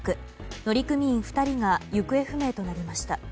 乗組員２人が行方不明となりました。